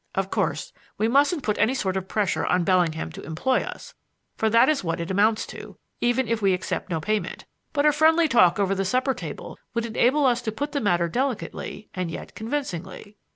Of course, we mustn't put any sort of pressure on Bellingham to employ us for that is what it amounts to, even if we accept no payment but a friendly talk over the supper table would enable us to put the matter delicately and yet convincingly."